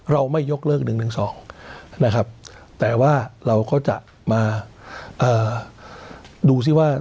เราไม่ยกเลิก๑๑๒นะครับแต่ว่าเราก็จะมาดูซิว่า